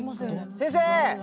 先生！